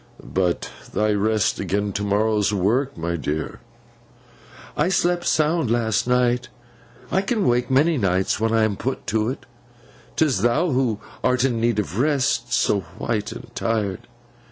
'But thy rest agen to morrow's work, my dear.' 'I slept sound last night. I can wake many nights, when I am put to it. 'Tis thou who art in need of rest—so white and tired.